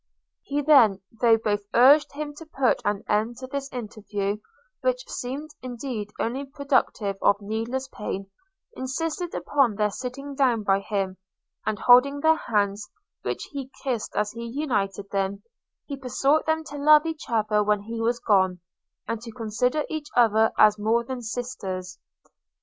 He then, though both urged him to put an end to this interview, which seemed indeed only productive of needless pain, insisted upon their sitting down by him; and, holding their hands, which he kissed as he united them, he besought them to love each other when he was gone, and to consider each other as more than sisters!